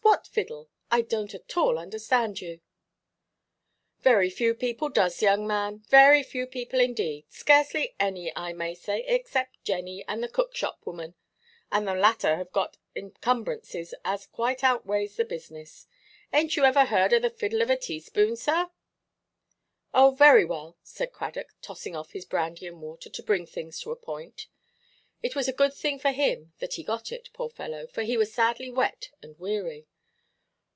What fiddle? I donʼt at all understand you." "Very few people does, young man; very few people indeed. Scarcely any, I may say, except Jenny and the cookshop woman; and the latter have got encumbrances as quite outweighs the business. Ainʼt you ever heard of the fiddle of a teaspoon, sir?" "Oh, very well," said Cradock, tossing off his brandy–and–water to bring things to a point. It was a good thing for him that he got it, poor fellow, for he was sadly wet and weary.